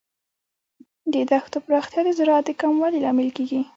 د دښتو پراختیا د زراعت د کموالي لامل کیږي.